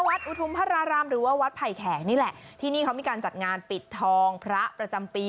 อุทุมพระรารามหรือว่าวัดไผ่แขกนี่แหละที่นี่เขามีการจัดงานปิดทองพระประจำปี